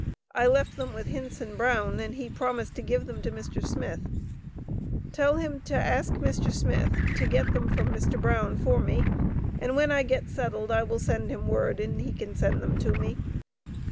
I left them with Hinson Brown and he promised to give them to Mr. Smith. Tell him to ask Mr. Smith to get them from Mr. Brown for me, and when I get settled I will send him word and he can send them to me.